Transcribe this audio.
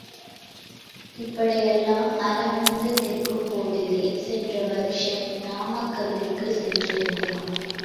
இப்படியெல்லாம் அலமந்து நிற்கும் போதிலே, சென்ற வருஷம் நாமக்கல்லுக்குச் சென்றிருந்தேன்.